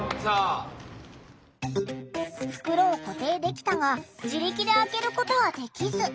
袋を固定できたが自力で開けることはできず。